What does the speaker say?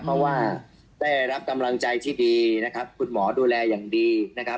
เพราะว่ารับกำลังใจที่ดีคุณหมอดูแลอย่างดี